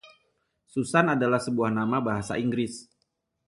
Susan adalah sebuah nama bahasa Inggris.